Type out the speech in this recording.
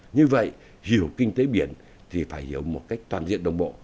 như vậy hiểu kinh tế biển thì phải hiểu một cách toàn bộ